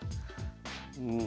うん。